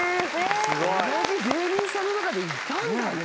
同じ芸人さんの中でいたんだね